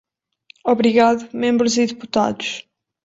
Obrigado, membros e deputados.